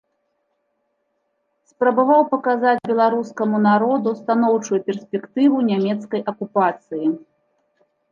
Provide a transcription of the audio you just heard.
Спрабаваў паказаць беларускаму народу станоўчую перспектыву нямецкай акупацыі.